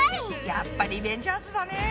やっぱリベンジャーズだね。